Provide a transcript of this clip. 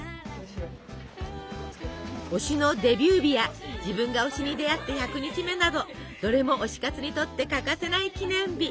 推しのデビュー日や自分が推しに出会って１００日目などどれも推し活にとって欠かせない記念日。